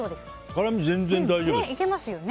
辛み、全然大丈夫です。